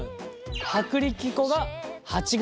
薄力粉が８ｇ。